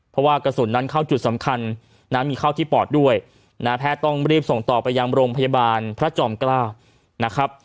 เพราะว่ากระสุนนั้นเข้าจุดสำคัญนะมีเข้าที่ปอดด้วยนะแพทย์ต้องรีบส่งต่อไปยังโรงพยาบาลพระจอมเกล้านะครับ